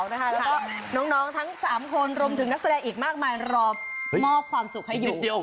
แล้วก็น้องทั้ง๓คนรวมถึงนักแสดงอีกมากมายรอมอบความสุขให้อยู่